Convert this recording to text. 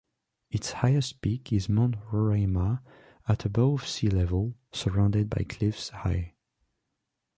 Its highest peak is Mount Roraima at above sea level, surrounded by cliffs high.